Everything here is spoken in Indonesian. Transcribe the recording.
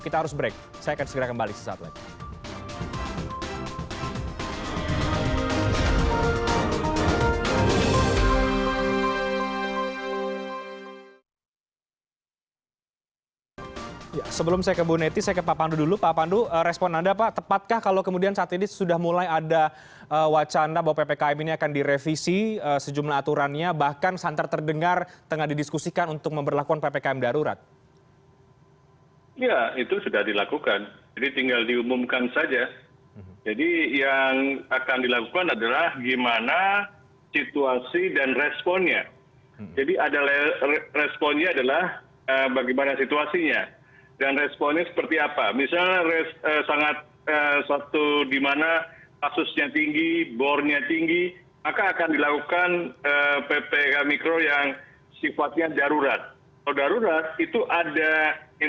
kita harus break saya akan segera kembali sesaat lain